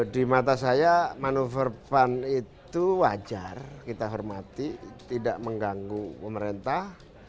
di mata saya manuver pan itu wajar kita hormati tidak mengganggu pemerintah